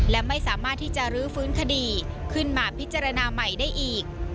และไม่สามารถที่จะรื้อฟื้นคดีขึ้นมาพิจารณาใหม่ได้อีก